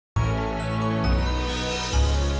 gak mungkin sob